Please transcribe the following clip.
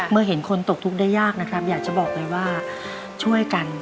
เมื่อเห็นคนตกทุกข์ได้ยากนะครับอยากจะบอกเลยว่าช่วยกัน